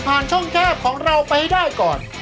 ช่องแคบของเราไปให้ได้ก่อน